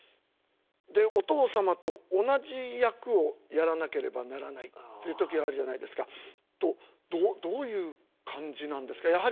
でお父様と同じ役をやらなければならないっていう時あるじゃないですか。とどういう感じなんですか？